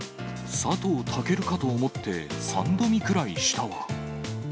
佐藤健かと思って、三度見くらいしたわ。